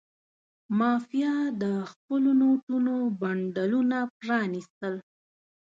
مافیا د خپلو نوټونو بنډلونه پرانستل.